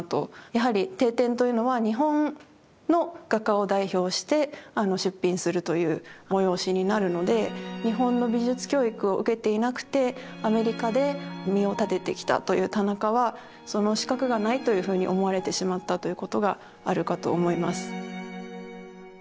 やはり帝展というのは日本の画家を代表して出品するという催しになるので日本の美術教育を受けていなくてアメリカで身を立ててきたという田中はその資格がないというふうに思われてしまったということがあるかと思います。